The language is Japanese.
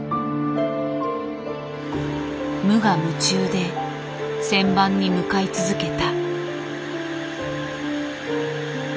無我夢中で旋盤に向かい続けた。